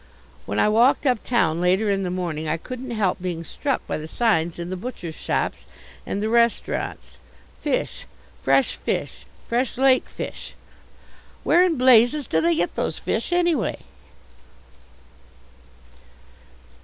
When I walked up town later in the morning I couldn't help being struck by the signs in the butcher's shops and the restaurants, FISH, FRESH FISH, FRESH LAKE FISH. Where in blazes do they get those fish anyway?